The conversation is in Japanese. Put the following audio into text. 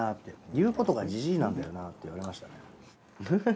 「言うことがじじいなんだよな」って言われましたね。